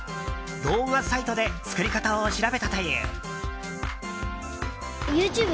動画サイトで作り方を調べたという。